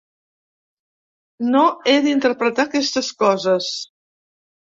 No he d'interpretar aquestes coses.